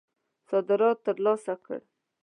صدارت ترلاسه کړ.